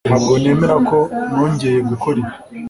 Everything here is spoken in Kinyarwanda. Ntabwo nemera ko nongeye gukora ibi